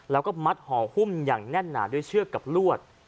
แล้วก็มัดห่อหุ้มอย่างแน่นหนาด้วยเชือกกับลวด